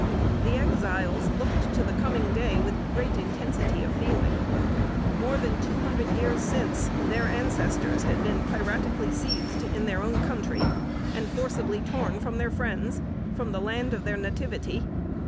The Exiles looked to the coming day with great intensity of feeling. More than two hundred years since, their ancestors had been piratically seized in their own country, and forcibly torn from their friends from the land of their nativity.